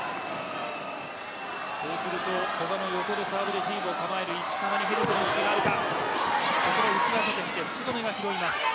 そうすると古賀の横でサーブレシーブを構える石川が拾うことになるか。